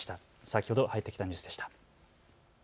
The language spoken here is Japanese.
先ほど入ってきたニュースでした。